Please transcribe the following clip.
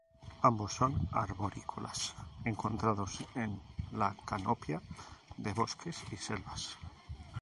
Ambos son arborícolas, encontrados en la canopia de bosques y selvas.